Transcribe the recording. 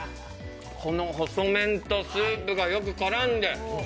この細麺とスープがよく絡んで。